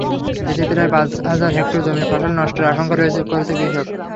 এতে প্রায় পাঁচ হাজার হেক্টর জমির ফসল নষ্টের আশঙ্কা করছে কৃষক।